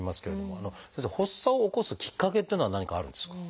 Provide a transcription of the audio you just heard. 先生発作を起こすきっかけっていうのは何かあるんですか？